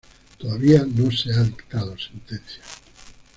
Todavía no se ha dictado sentencia.